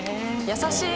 優しい！